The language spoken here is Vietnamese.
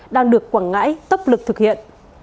đang được quảng ngãi tốc lực thực hiện